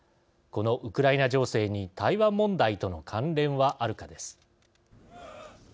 このウクライナ情勢に台湾問題との関連はあるかです。